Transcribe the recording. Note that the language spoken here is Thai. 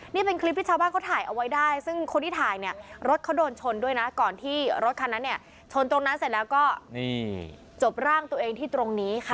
นี่เป็นคลิปที่ชาวบ้านเขาถ่ายเอาไว้ได้ซึ่งคนที่ถ่ายเนี่ยรถเขาโดนชนด้วยนะก่อนที่รถคันนั้นเนี่ยชนตรงนั้นเสร็จแล้วก็นี่จบร่างตัวเองที่ตรงนี้ค่ะ